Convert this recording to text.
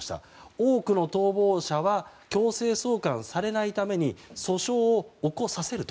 多くの逃亡者は強制送還されないために訴訟を起こさせると。